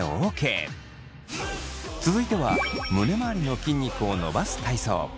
続いては胸まわりの筋肉を伸ばす体操。